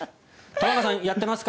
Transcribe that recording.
玉川さんやってますか？